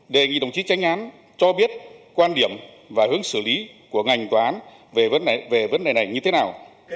đề nghị đồng chí tranh án cho biết quan điểm và hướng xử lý của ngành tòa án về vấn đề này như thế nào